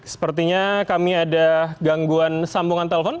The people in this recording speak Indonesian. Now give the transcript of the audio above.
sepertinya kami ada gangguan sambungan telepon